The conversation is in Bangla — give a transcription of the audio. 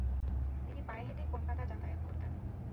তিনি পায়ে হেঁটেই কলকাতায় যাতায়াত করতেন।